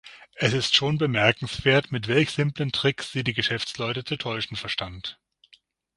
Es ist schon bemerkenswert, mit welch simplen Tricks sie die Geschäftsleute zu täuschen verstand.